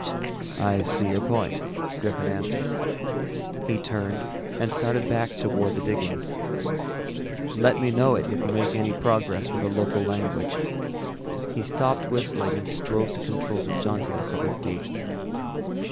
"I see your point," Griffin answered. He turned and started back toward the diggings. "Let me know it you make any progress with the local language." He stopped whistling and strove to control the jauntiness of his gait.